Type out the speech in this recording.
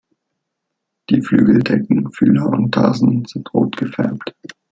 Die Flügeldecken, Fühler und Tarsen sind rot gefärbt.